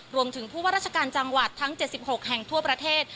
รวมถึงผู้ว่าราชการจังหวัดทั้ง๗๖แห่งทั่วประเทศ